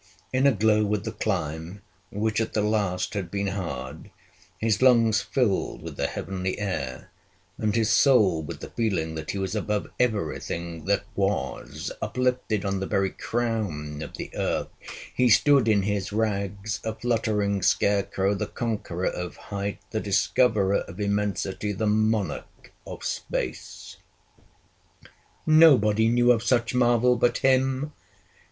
In a glow with the climb, which at the last had been hard, his lungs filled with the heavenly air, and his soul with the feeling that he was above everything that was, uplifted on the very crown of the earth, he stood in his rags, a fluttering scarecrow, the conqueror of height, the discoverer of immensity, the monarch of space. Nobody knew of such marvel but him!